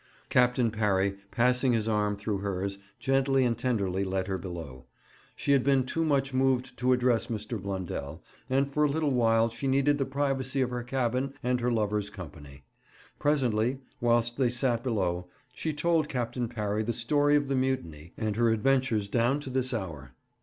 Captain Parry, passing his arm through hers, gently and tenderly led her below. She had been too much moved to address Mr. Blundell, and for a little while she needed the privacy of the cabin and her lover's company. Presently, whilst they sat below, she told Captain Parry the story of the mutiny, and her adventures down to this hour.